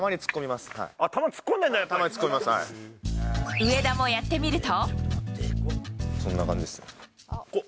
上田もやってみると。